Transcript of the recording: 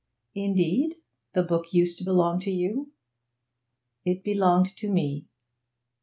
'Indeed? The book used to belong to you?' 'It belonged to me.'